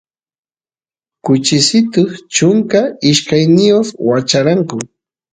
kuchisitus chunka ishkayoq wacharanku